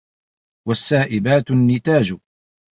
وَالسَّائِبَاتُ النِّتَاجُ